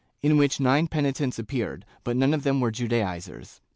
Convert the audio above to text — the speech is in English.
308 JEWS [Book Vm nine penitents appeared, but none of them were Judaizers.